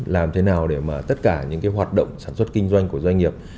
làm thế nào để tất cả những hoạt động sản xuất kinh doanh của doanh nghiệp